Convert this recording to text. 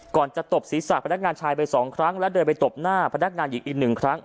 จะตบศีรษะพนักงานชายไปสองครั้งและเดินไปตบหน้าพนักงานหญิงอีกหนึ่งครั้ง